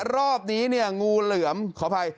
รอบนี้งูเหลือมขออภัย